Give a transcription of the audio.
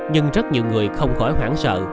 nhưng rất nhiều người không khỏi hoảng sợ